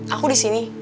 aku di sini